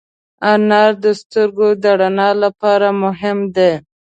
انار د سترګو د رڼا لپاره مهم دی.